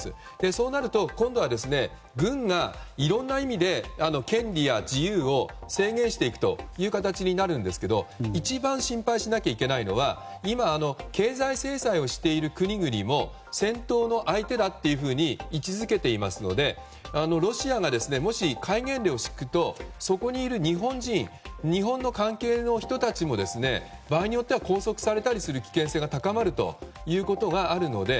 そうなると、今度は軍がいろんな意味で権利や自由を制限していくという形になるんですが一番心配しなきゃいけないのは今、経済制裁をしている国々も戦闘の相手だというふうに位置づけていますのでロシアがもし戒厳令を敷くとそこにいる日本人日本の関係の人たちも場合によっては拘束されたりする危険性が高まるということがあるので。